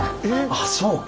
ああそうか。